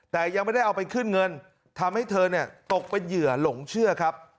แต่ยังไม่ได้เอาไปขึ้นเงินทำให้เธอเนี่ยตกเป็นเหยื่อหลงเชื่อครับ